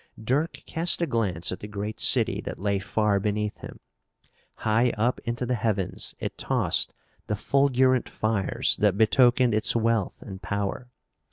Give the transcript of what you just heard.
Dirk cast a glance at the great city that lay far beneath him. High up into the heavens it tossed the fulgurant fires that betokened its wealth and power.